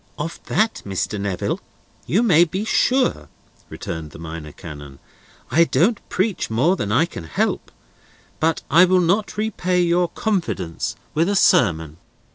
"Of that, Mr. Neville, you may be sure," returned the Minor Canon. "I don't preach more than I can help, and I will not repay your confidence with a sermon.